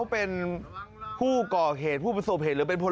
พี่ช่วยแจ้งจับตัวเดี๋ยวนี้